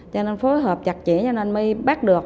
cho nên phối hợp chặt chẽ cho nên mới bắt được